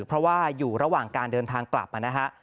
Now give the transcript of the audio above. เพราะว่าอยู่ระหว่างการเดินทางกลับมานะฮะ